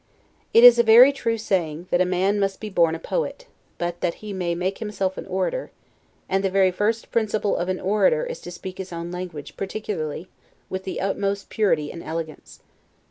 It is a very true saying, that a man must be born a poet, but that he may make himself an orator; and the very first principle of an orator is to speak his own language, particularly, with the utmost purity and elegance.